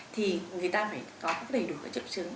thì người ta phải có đầy đủ chữ chứng